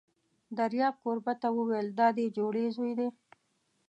دریاب کوربه ته وویل: دا دې جوړې زوی دی!